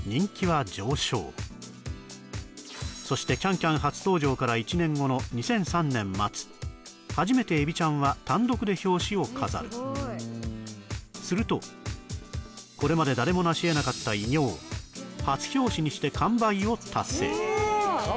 そして「ＣａｎＣａｍ」初登場から１年後の２００３年末初めてエビちゃんは単独で表紙を飾るするとこれまで誰もなしえなかった偉業を達成